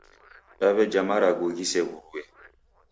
Daweja marugu ghisew'urue